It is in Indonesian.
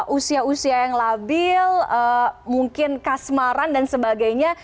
usia usia yang labil mungkin kasmaran dan sebagainya